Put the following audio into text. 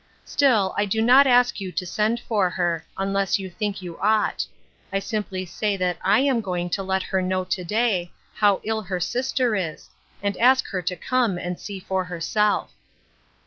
Still, I do not ask you to send for her, unless you think you ought ; I simply say that I am going to let her know to day how ill her sister is, and ask her to come and see for herself."